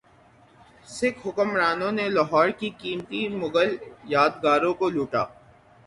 سکھ حکمرانوں نے لاہور کی قیمتی مغل یادگاروں کو لوٹا